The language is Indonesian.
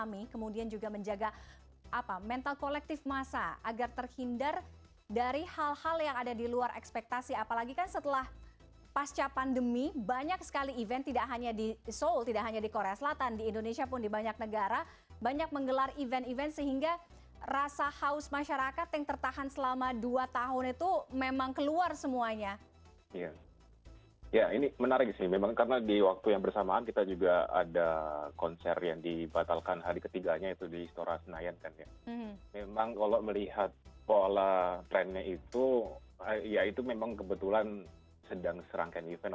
memang kalau melihat pola trennya itu ya itu memang kebetulan sedang serangkan event